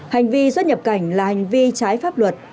hành vi xuất nhập cảnh là hành vi trái pháp luật